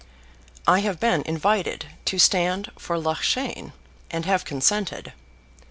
I have been invited to stand for Loughshane, and have consented.